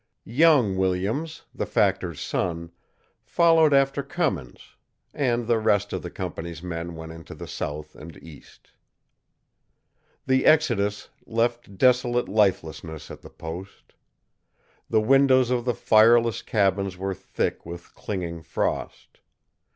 Young Williams, the factor's son, followed after Cummins, and the rest of the company's men went into the south and east. The exodus left desolate lifelessness at the post. The windows of the fireless cabins were thick with clinging frost.